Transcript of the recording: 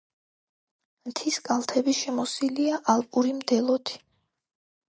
მთის კალთები შემოსილია ალპური მდელოთი.